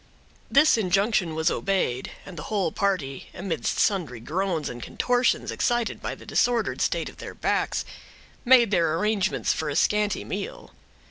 This injunction was obeyed, and the whole party, amidst sundry groans and contortions, excited by the disordered state of their backs, made their arrangements for a scanty meal.